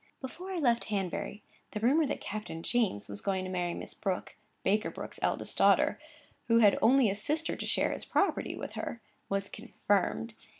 Before I left Hanbury, the rumour that Captain James was going to marry Miss Brooke, Baker Brooke's eldest daughter, who had only a sister to share his property with her, was confirmed.